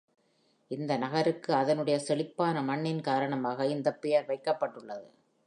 இந்த நகருக்கு அதனுடைய செழிப்பான மண்ணின் காரணமாக இந்தப் பெயர் வைக்கப்பட்டுள்ளது.